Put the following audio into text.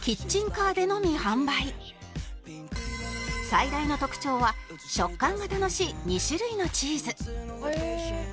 最大の特徴は食感が楽しい２種類のチーズ